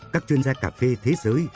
các chuyên gia cà phê thế giới